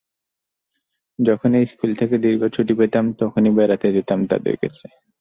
যখনই স্কুল থেকে দীর্ঘ ছুটি পেতাম তখনই বেড়াতে যেতাম তাঁদের কাছে।